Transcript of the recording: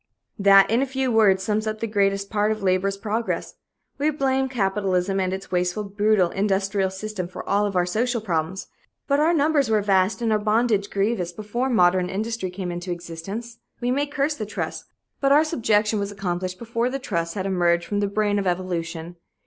That, in a few words, sums up the greater part of labor's progress. We blame capitalism and its wasteful, brutal industrial system for all our social problems, but our numbers were vast and our bondage grievous before modern industry came into existence. We may curse the trusts, but our subjection was accomplished before the trusts had emerged from the brain of evolution.